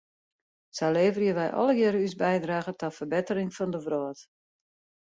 Sa leverje wij allegearre ús bydrage ta ferbettering fan de wrâld.